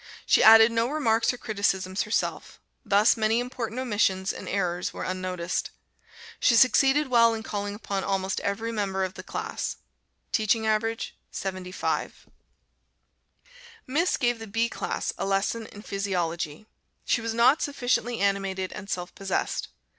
She added no remarks or criticisms herself; thus many important omissions and errors were unnoticed. She succeeded well in calling upon almost every member of the class. Teaching average, 75. Miss gave the B class a lesson in Physiology. She was not sufficiently animated and self possessed.